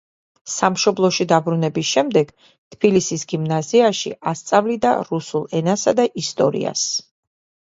სამშობლოში დაბრუნების შემდეგ თბილისის გიმნაზიაში ასწავლიდა რუსულ ენასა და ისტორიას.